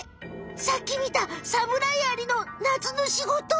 さっき見たサムライアリの夏の仕事？